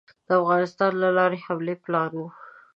د افغانستان له لارې حملې پلان وو.